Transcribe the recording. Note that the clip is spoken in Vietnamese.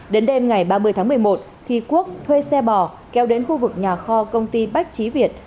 đến đêm ngày ba mươi tháng một mươi một khi quốc thuê xe bò kéo đến khu vực nhà kho công ty bách trí việt